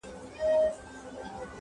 • بیا یې هم -